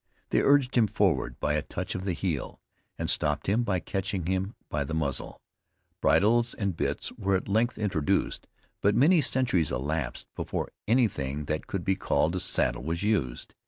They urged him forward by a touch of the heel, and stopped him by catching him by the muzzle. Bridles and bits were at length introduced, but many centuries elapsed before anything that could be called a saddle was used.